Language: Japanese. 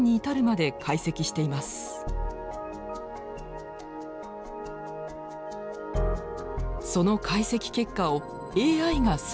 その解析結果をＡＩが全て学習。